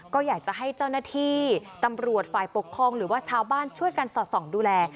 ก็อยากจะให้เจ้าหน้าที่ตำรวจฝ่ายปกครองหรือว่าชาวบ้านช่วยกันสอดส่องดูแล